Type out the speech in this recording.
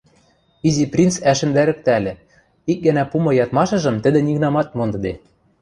— Изи принц ӓшӹндӓрӹктӓльӹ: ик гӓнӓ пумы ядмашыжым тӹдӹ нигынамат мондыде.